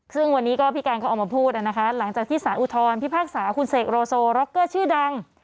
ซึ่งวันนี้ก็พี่การเขาออกมาพูดนะคะหลังจากที่สารอุทธรพิพากษาคุณเสกโรโซร็อกเกอร์ชื่อดัง